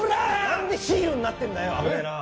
何でヒールになってんだよ危ねぇな。